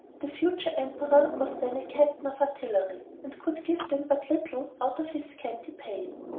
The future emperor was then a captain of artillery and could give them but little out of his scanty pay.